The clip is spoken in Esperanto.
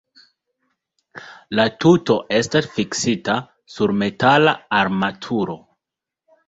La tuto estas fiksita sur metala armaturo.